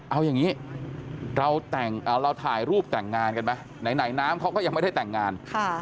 เอาอย่างนี้เราถ่ายรูปแต่งงานกันไหมไหนน้ำเขาก็ยังไม่ได้แต่งงาน